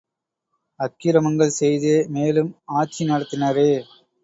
அக்கிர மங்கள்செய்தே மேலும் ஆட்சி நடத்தினரே!